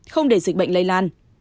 không để dịch bệnh lây lan